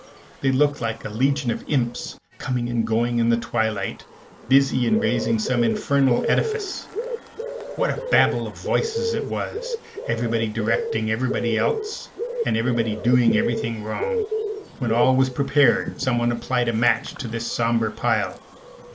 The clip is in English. They looked like a legion of imps, coming and going in the twilight, busy in raising some infernal edifice. What a Babel of voices it was, everybody directing everybody else, and everybody doing everything wrong! When all was prepared, someone applied a match to the sombre pile.